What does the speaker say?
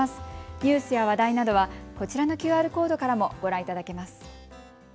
ニュースや話題などはこちらのＱＲコードからもご覧いただけます。